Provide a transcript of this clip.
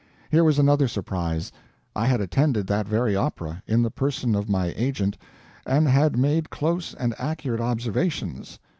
Here was another surprise. I had attended that very opera, in the person of my agent, and had made close and accurate observations.